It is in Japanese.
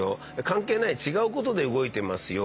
関係ない違うことで動いてますよ。